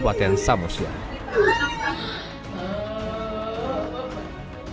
jika tidak bisa bertahan ke diri dan jatuhi di sini